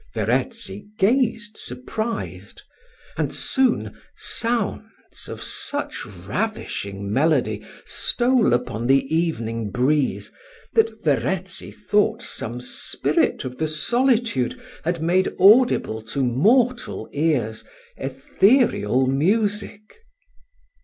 Verezzi gazed surprised; and soon sounds of such ravishing melody stole upon the evening breeze, that Verezzi thought some spirit of the solitude had made audible to mortal ears ethereal music.